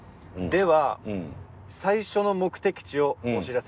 「では！！最初の目的地をお知らせします」